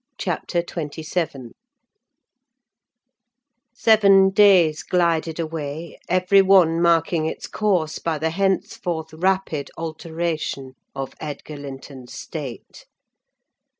CHAPTER XXVII Seven days glided away, every one marking its course by the henceforth rapid alteration of Edgar Linton's state.